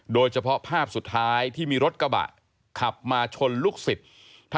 โดยเฉพาะภาพสุดท้ายที่มีรถกระบะขับมาชนลูกศิษย์